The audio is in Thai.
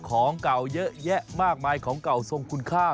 ของเก่าเยอะแยะมากมายของเก่าทรงคุณค่า